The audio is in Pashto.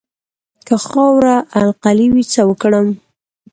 که خاوره القلي وي څه وکړم؟